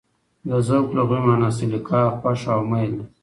د ذوق لغوي مانا: سلیقه، خوښه او مېل ده.